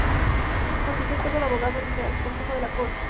Consiguió el cargo de Abogado de los Reales Consejos de la Corte.